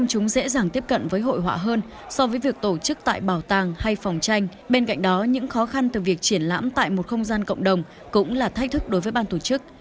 sự việc triển lãm tại một không gian cộng đồng cũng là thách thức đối với ban tổ chức